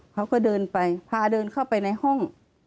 เขาก็เดินไปพาเดินเข้าไปในห้อง